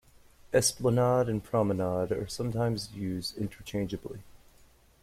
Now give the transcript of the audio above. "Esplanade" and "promenade" are sometimes used interchangeably.